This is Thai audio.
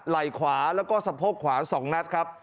ไหล่ขวาแล้วก็สะโพกขวา๒นัดครับ